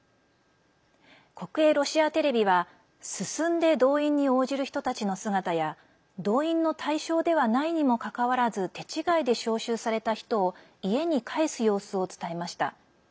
国営ロシアテレビは進んで動員に応じる人たちの姿や動員の対象ではないにもかかわらず手違いで招集された人を家に帰す様子を伝えました。